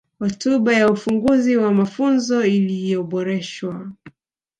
Hotuba ya Ufunguzi wa Mafunzo iliyoboreshwa